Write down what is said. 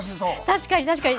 確かに確かに！